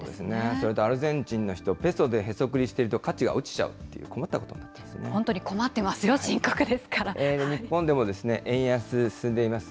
それとアルゼンチンの人、ペソでへそくりしていると、価値が落ちちゃうって、困本当に困ってますよ、深刻で日本でも円安、進んでいます。